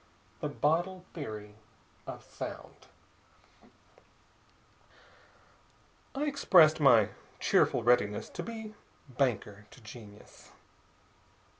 THE BOTTLE THEORY OF SOUND I expressed my cheerful readiness to be banker to genius.